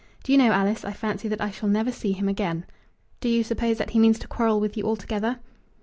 Do you know, Alice, I fancy that I shall never see him again." "Do you suppose that he means to quarrel with you altogether?"